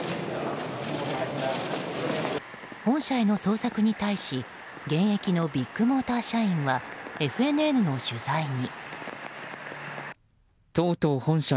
本社への捜索に対し現役のビッグモーター社員はＦＮＮの取材に。